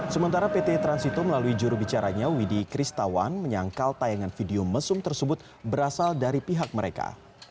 sementara pt transito melalui jurubicaranya widi kristawan menyangkal tayangan video mesum tersebut berasal dari pihak mereka